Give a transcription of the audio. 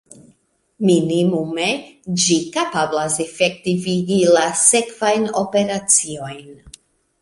Minimume ĝi kapablas efektivigi la sekvajn operaciojn.